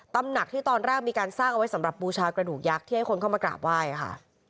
ตำหนักที่ตอนแรกมีการสร้างเอาไว้สำหรับบูชากระดูกยักษ์ที่ให้คนเข้ามากราบไหว้ค่ะ